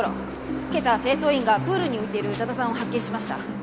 今朝清掃員がプールに浮いている宇多田さんを発見しました。